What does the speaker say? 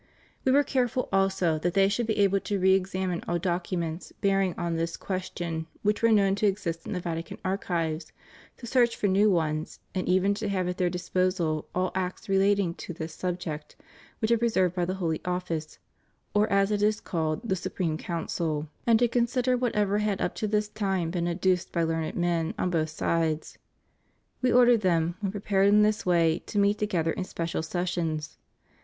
We were careful also that they should be able to re examine all document* bearing on this question which were known to exist in the Vatican archives, to search for new ones, and even to have at their disposal all acts relating to this subject which are preserved by the Holy Office — or as it is called the Supreme Council — and to consider whatever had up to this time been adduced by learned men on both sides. We ordered them, when prepared in this way, to meet together in special sessions.